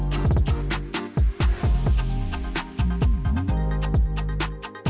สวัสดีครับ